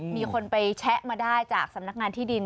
มีคนไปแชะมาได้จากสำนักงานที่ดิน